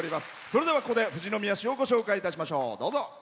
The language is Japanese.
それでは、ここで富士宮市をご紹介しましょう。